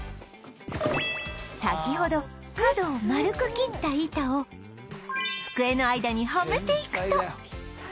先ほど角を丸く切った板を机の間にはめていくと